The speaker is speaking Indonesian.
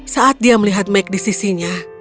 saat dia melihat meg di sisinya